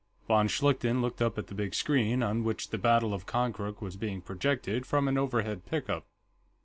Von Schlichten looked up at the big screen, on which the battle of Konkrook was being projected from an overhead pickup.